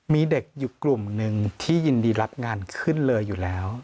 มีเด็กอยู่กลุ่มหนึ่งที่ยินดีรับงานขึ้นเลยอยู่แล้ว